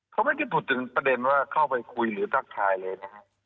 เขาไม่ได้พูดถึงประเด็นว่าเข้าไปคุยหรือทักทายเลยนะฮะ